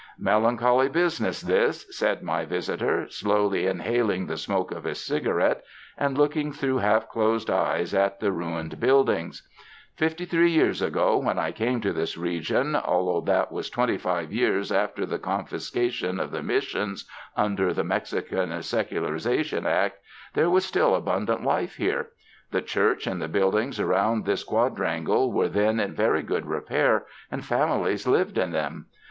"Melancholy business, this," said my visitor, slowly inhaling the smoke of his cigarette and look ing through half closed eyes at the ruined buildings. 150 THE FRANCISCAN MISSIONS *' Fifty three years ago, when I came to this region, although that was twenty five years after the con fiscation of the Missions under the Mexican Secular ization Act, there was still abundant life here. The church and the buildings around this quadrangle were then in very good repair, and families lived in them.